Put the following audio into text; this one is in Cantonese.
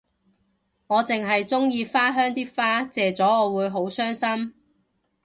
我淨係鍾意花香啲花謝咗我會好傷心